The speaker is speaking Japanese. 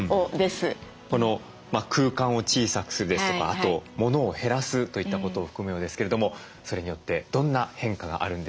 空間を小さくするですとかあと物を減らすといったことを含むようですけれどもそれによってどんな変化があるんでしょうか。